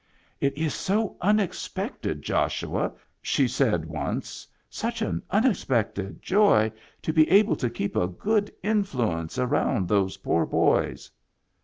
"It is so unexpected, Joshua," she said once, " such an unexpected joy to be able to keep a good influence around those poor boys."